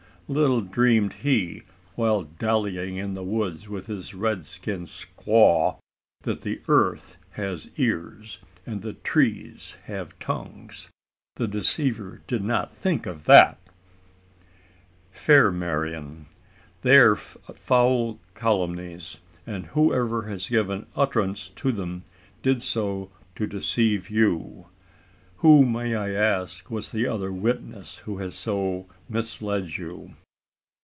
little dreamed he, while dallying in the woods with his red skinned squaw, that the earth has ears and the trees have tongues. The deceiver did not think of that!" "Fair Marian, they are foul calumnies; and whoever has given utterance to them did so to deceive you. Who, may I ask, was that other witness who has so misled you!"